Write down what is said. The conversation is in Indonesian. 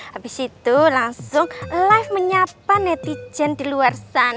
habis itu langsung live menyapa netizen di luar sana